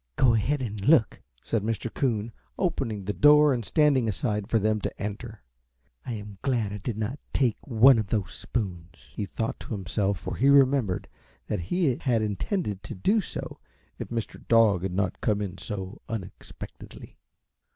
"Go ahead and look," said Mr. Coon, opening the door and standing aside for them to enter. "I am glad I did not take one of those spoons," he thought to himself, for he remembered that he had intended to do so if Mr. Dog had not come in so unexpectedly.